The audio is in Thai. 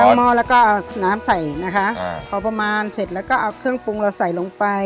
หม้อแล้วก็เอาน้ำใส่นะคะพอประมาณเสร็จแล้วก็เอาเครื่องปรุงเราใส่ลงไป